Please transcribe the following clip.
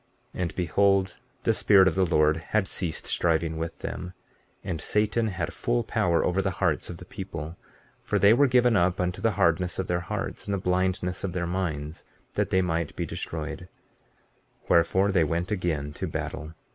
15:19 And behold, the Spirit of the Lord had ceased striving with them, and Satan had full power over the hearts of the people; for they were given up unto the hardness of their hearts, and the blindness of their minds that they might be destroyed; wherefore they went again to battle.